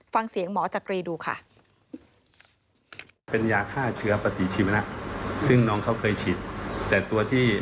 ฟังเสียงหมอจักรีดูค่ะ